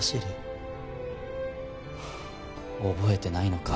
覚えてないのか。